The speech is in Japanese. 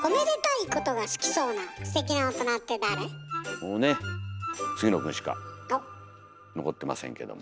もうね杉野くんしか残ってませんけども。